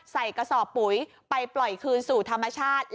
ใส่กระสอบปุ๋ยไปปล่อยคืนสู่ธรรมชาติ